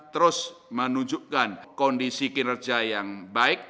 terus menunjukkan kondisi kinerja yang baik